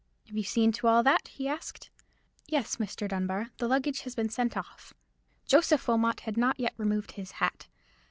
"Have you seen to all that?" he asked. "Yes, Mr. Dunbar; the luggage has been sent off." Joseph Wilmot had not yet removed his hat.